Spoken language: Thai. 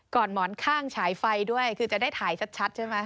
หมอนข้างฉายไฟด้วยคือจะได้ถ่ายชัดใช่ไหม